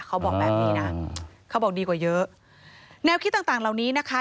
เขาบอกแบบนี้นะเขาบอกดีกว่าเยอะแนวคิดต่างต่างเหล่านี้นะคะ